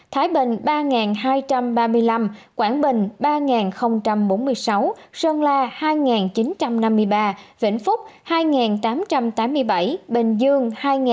thái bình ba hai trăm ba mươi năm quảng bình ba bốn mươi sáu sơn la hai chín trăm năm mươi ba vĩnh phúc hai tám trăm tám mươi bảy bình dương hai tám trăm năm mươi bảy